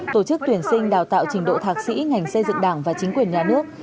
tổ chức tuyển sinh đào tạo trình độ thạc sĩ ngành xây dựng đảng và chính quyền nhà nước